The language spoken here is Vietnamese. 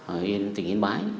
ở tỉnh yên bái